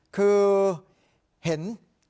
คือเห็น